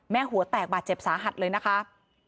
หัวแตกบาดเจ็บสาหัสเลยนะคะ